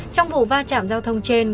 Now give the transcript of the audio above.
trong vụ va chạm giao thông trên